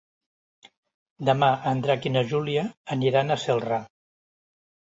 Demà en Drac i na Júlia aniran a Celrà.